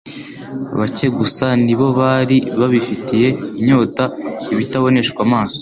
Bake gusa ni bo bari bafitiye inyota ibitaboneshwa amaso.